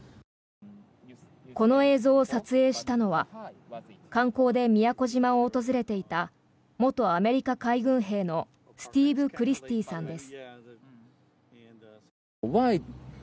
この映像を撮影したのは観光で宮古島を訪れていた元アメリカ海軍兵のスティーブ・クリスティーさんです。